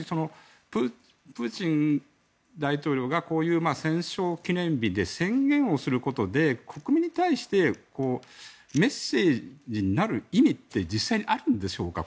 プーチン大統領がこういう戦勝記念日で宣言をすることで国民に対してメッセージになる意味って実際にあるんでしょうか。